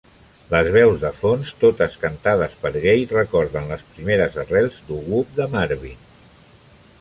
Les veus de fons, totes cantades per Gaye, recorden les primeres arrels doo-wop de Marvin.